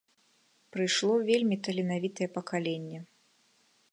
Прыйшло вельмі таленавітае пакаленне.